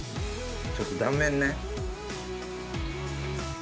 ちょっと断面ね。